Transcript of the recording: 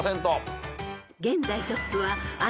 ［現在トップは］